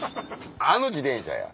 あの自転車や。